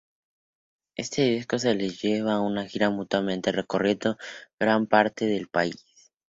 Este disco les lleva a su Gira Mutante recorriendo gran parte del país.